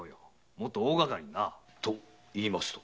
もっと大がかりのな。といいますと？